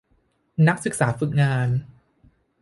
นักศึกษาฝึกงาน